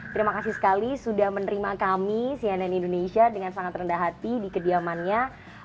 terima kasih sekali sudah menerima kami cnn indonesia dengan sangat rendah hati di kediamannya